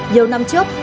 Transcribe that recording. nhiều năm trước